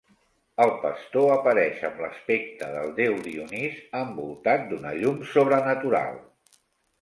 El pastor apareix amb l'aspecte del déu Dionís, envoltat d'una llum sobrenatural.